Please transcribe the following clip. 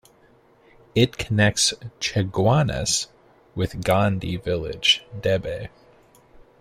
It connects Chaguanas with Ghandi Village, Debe.